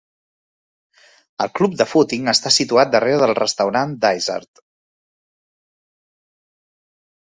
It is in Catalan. El club de fúting està situat darrere del restaurant "Dysart".